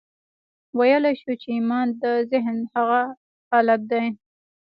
ويلای شو چې ايمان د ذهن هغه حالت دی.